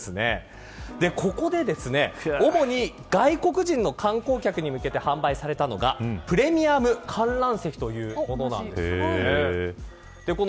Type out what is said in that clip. ここで、主に外国人の観光客に向けて販売されていたのがプレミアム観覧席というものなんです。